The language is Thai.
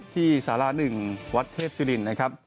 ที่ศาลา๑วัดเทพศิรินดิ์นะครับ